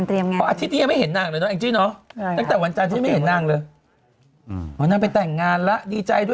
เราเห็นที่ตึกนะปกติอ๋อไม่เห็นนั่งมาหลายวันแล้ว